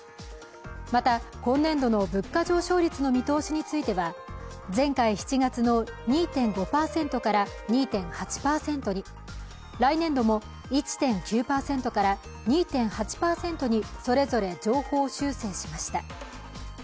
また、今年度の物価上昇率の見通しについては前回７月の２．５％から２．８％に来年度も１．９％から２．８％にそれぞれ上方修正しました。